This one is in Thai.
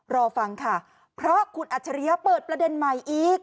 รอฟังค่ะเพราะคุณอัจฉริยะเปิดประเด็นใหม่อีก